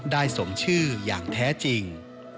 สมชื่ออย่างแท้จริง